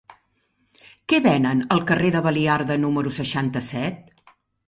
Què venen al carrer de Baliarda número seixanta-set?